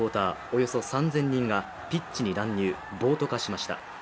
およそ３０００人がピッチに乱入、暴徒化しました。